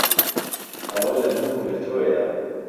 ئهوه له من و له تۆیه